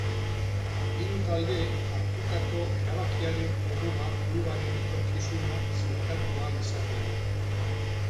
Hiru taldeek hartutako erabakiaren jomuga klubaren etorkizuna ziurtatu ahal izatea da.